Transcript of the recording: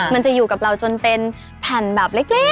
มันจะอยู่กับเราจนเป็นแผ่นแบบเล็ก